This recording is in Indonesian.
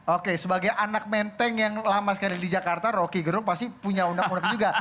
oke sebagai anak menteng yang lama sekali di jakarta roky gerung pasti punya undang undang juga